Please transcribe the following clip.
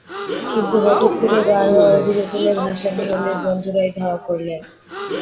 কিন্তু হঠাৎ করে গান গাওয়ার অভিযোগ তুলে ভাসানী হলের বন্ধুরাই ধাওয়া করেন।